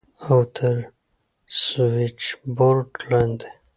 او تر سوېچبورډ لاندې.